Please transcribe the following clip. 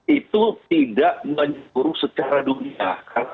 itu tidak menyuruh secara dunia